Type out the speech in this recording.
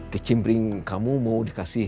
kicim pring kamu mau dikasih